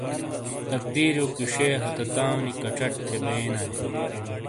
تقدیریو کِیشئے ہتہ تاؤں نی کَچٹ تھے بئیے نائے۔